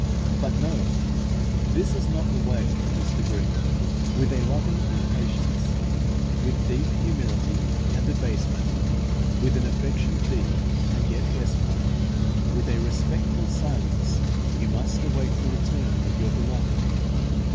But no! This is not the way in this degree. With a loving impatience, with deep humility and abasement, with an affection deep and yet restful, with a respectful silence, you must await the return of your Beloved.